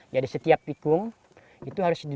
jadi setiap tikung itu harus dikawal